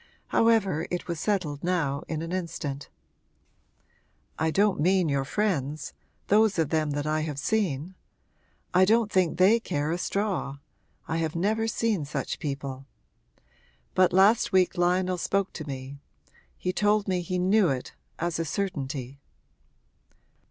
However, it was settled now in an instant. 'I don't mean your friends those of them that I have seen. I don't think they care a straw I have never seen such people. But last week Lionel spoke to me he told me he knew it, as a certainty.'